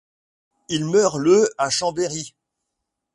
Il meurt le à Chambéry.